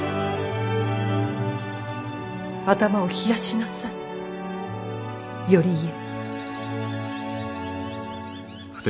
頭を冷やしなさい頼家。